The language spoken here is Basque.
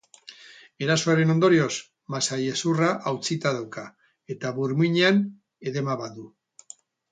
Erasoaren ondorioz, masailezurra hautsita dauka eta burmuinean edema bat du.